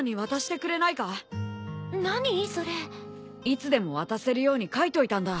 いつでも渡せるように書いといたんだ。